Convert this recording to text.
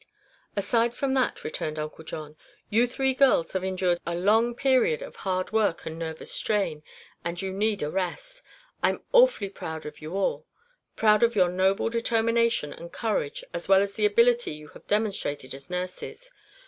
"Aside from that," returned Uncle John, "you three girls have endured a long period of hard work and nervous strain, and you need a rest. I'm awfully proud of you all; proud of your noble determination and courage as well as the ability you have demonstrated as nurses.